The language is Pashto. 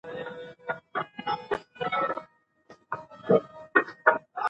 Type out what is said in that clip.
که خویندې ژبپوهې وي نو لغاتونه به نه ورکیږي.